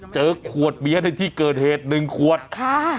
เจอขวดเบียร์ในที่เกิดเหตุ๑ขวดค่ะ